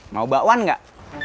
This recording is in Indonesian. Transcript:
mau bakwan gak